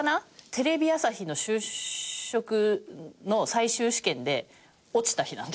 テレビ朝日の就職の最終試験で落ちた日なんですよ。